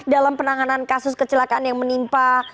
dalam penanganan kasus kecelakaan yang menimpa